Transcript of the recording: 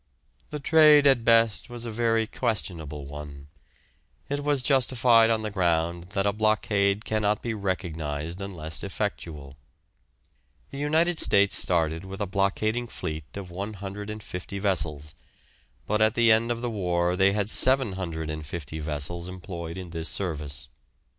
The trade at best was a very questionable one; it was justified on the ground that a blockade cannot be recognised unless effectual. The United States started with a blockading fleet of 150 vessels, but at the end of the war they had 750 vessels employed in this service.